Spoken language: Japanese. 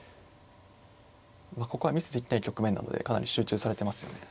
まあここはミスできない局面なのでかなり集中されてますよね。